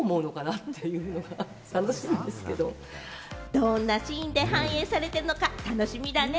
どんなシーンで反映されているのか楽しみだね。